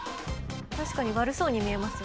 確かに悪そうに見えます。